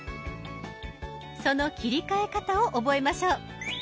その切り替え方を覚えましょう。